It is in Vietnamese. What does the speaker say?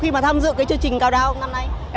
em tham gia chương trình cao đao năm nay